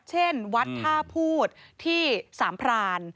เช่นวัดท่าพูดที่สามพราน